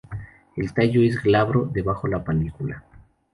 El tallo es glabro debajo la panícula.